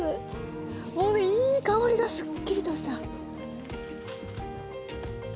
もういい香りがすっきりとした。